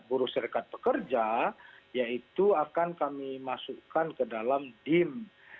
buruh serikat pekerja yaitu akan kami masukkan ke dalam dim